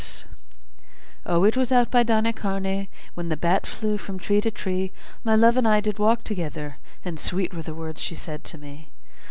XXXI O, it was out by Donnycarney When the bat flew from tree to tree My love and I did walk together; And sweet were the words she said to me.